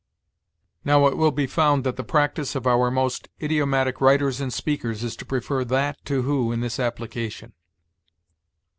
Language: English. "Now it will be found that the practice of our most idiomatic writers and speakers is to prefer that to who in this application.